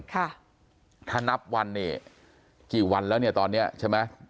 ค่ะถ้านับวันเนี่ยกี่วันแล้วเนี่ยตอนเนี้ยใช่ไหม